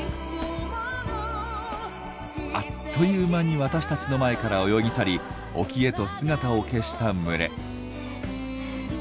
あっという間に私たちの前から泳ぎ去り沖へと姿を消した群れ。